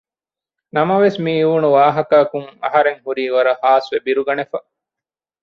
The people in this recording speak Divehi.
ނަމަވެސް މިއިވުނު ވާހަކައަކުން އަހަރެން ހުރީ ވަރަށް ހާސްވެ ބިރުގަނެފަ